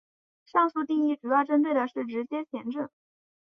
上述定义主要针对的是直接前震。